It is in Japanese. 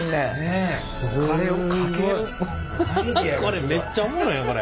これめっちゃおもろいやんこれ。